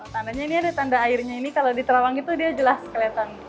tandanya ini ada tanda airnya ini kalau di terawang itu dia jelas kelihatan